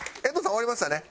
終わりました！